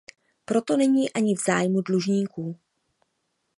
Proto není ani v zájmu dlužníků.